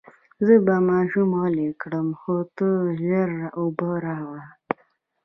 زه به ماشوم غلی کړم، خو ته ژر اوبه راوړه.